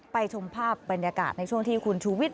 ชมภาพบรรยากาศในช่วงที่คุณชูวิทย